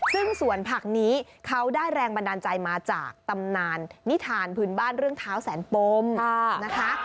ซึ่งสวนผักนี้เขาได้แรงบันดาลใจมาจากตำนานนิทานพื้นบ้านเรื่องเท้าแสนปมนะคะ